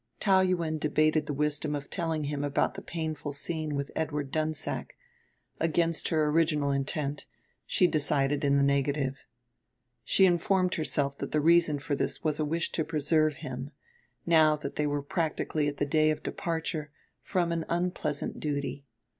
Taou Yuen debated the wisdom of telling him about the painful scene with Edward Dunsack; against her original intent she decided in the negative. She informed herself that the reason for this was a wish to preserve him, now that they were practically at the day of departure, from an unpleasant duty.